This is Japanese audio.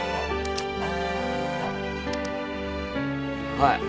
はい。